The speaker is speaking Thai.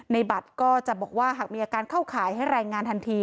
ในบัตรก็จะบอกว่าหากมีอาการเข้าข่ายให้รายงานทันที